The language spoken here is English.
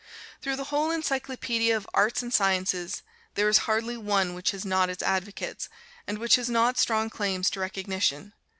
Through the whole encyclopædia of arts and sciences, there is hardly one which has not its advocates, and which has not strong claims to recognition.